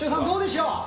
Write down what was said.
どうでしょう？